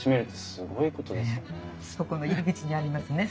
そこの入り口にありますね